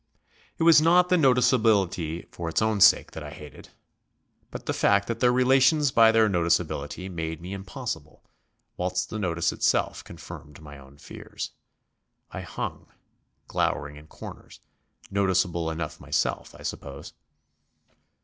It was not the noticeability for its own sake that I hated, but the fact that their relations by their noticeability made me impossible, whilst the notice itself confirmed my own fears. I hung, glowering in corners, noticeable enough myself, I suppose.